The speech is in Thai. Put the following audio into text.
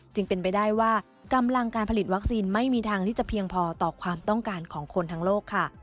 จึงเป็นไปได้ว่ากำลังการผลิตวัคซีนไม่มีทางที่จะเพียงพอต่อความต้องการของคนทั้งโลกค่ะ